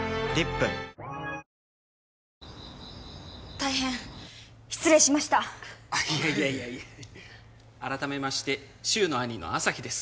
大変失礼しましたいやいやいや改めまして柊の兄の旭です